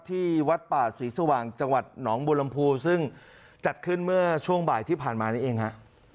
ที่วัดป่าศรีสว่างจังหวัดหนองบุรมภูซึ่งจัดขึ้นเมื่อช่วงบ่ายที่ผ่านมานี้เองฮะ